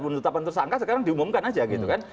untuk tetapan tersangka sekarang diumumkan saja gitu kan